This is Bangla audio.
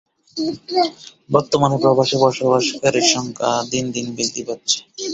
বর্তমানে প্রবাসে বসবাসকারীদের সংখ্যা দিন দিন বৃদ্ধি পাচ্ছে।